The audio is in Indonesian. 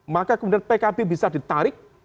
maka pkb bisa ditarik